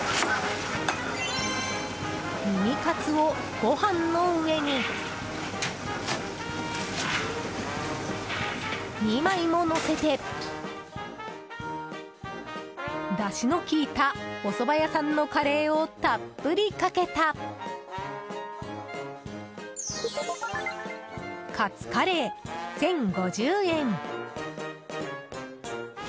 ミニカツをご飯の上に２枚ものせてだしの効いたおそば屋さんのカレーをたっぷりかけたカツカレー、１０５０円。